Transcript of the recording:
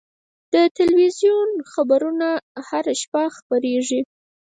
د تلویزیون خبرونه هره شپه خپرېږي.